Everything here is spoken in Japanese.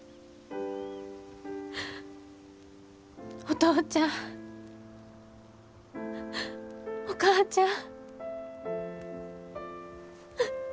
お父ちゃんお母ちゃん。